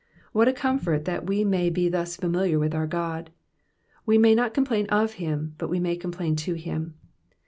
"What a comfort that we may be thus familiar with our God I We may not complain of him, but we may complain to him.